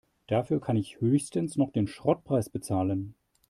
Dafür kann ich höchstens noch den Schrottpreis bezahlen.